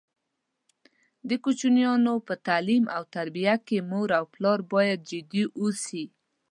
د کوچینیانو په تعلیم او تربیه کې مور او پلار باید ډېر جدي اوسي.